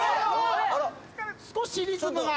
少しリズムが。